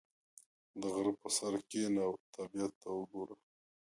• د غره پر سر کښېنه او طبیعت ته وګوره.